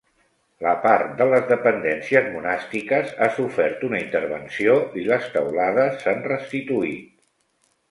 La part de les dependències monàstiques ha sofert una intervenció i les teulades s'han restituït.